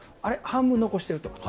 半分残してると。